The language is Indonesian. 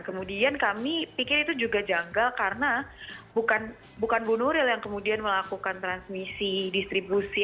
kemudian kami pikir itu juga janggal karena bukan bu nuril yang kemudian melakukan transmisi distribusi